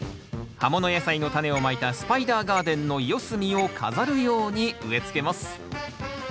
葉もの野菜のタネをまいたスパイダーガーデンの四隅を飾るように植えつけます